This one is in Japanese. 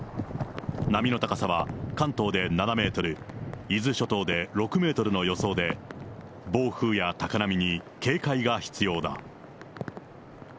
波の高さは関東で７メートル、伊豆諸島で６メートルの予想で、暴風や高波に警戒が必要だ。